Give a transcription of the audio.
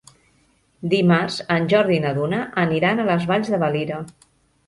Dimarts en Jordi i na Duna aniran a les Valls de Valira.